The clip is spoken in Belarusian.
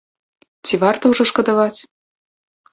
Ці варта ўжо шкадаваць?